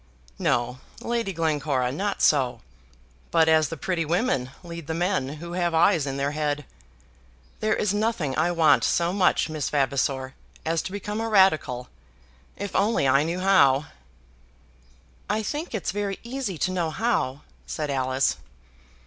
"No, Lady Glencora, not so. But as the pretty women lead the men who have eyes in their head. There is nothing I want so much, Miss Vavasor, as to become a Radical; if I only knew how." "I think it's very easy to know how," said Alice.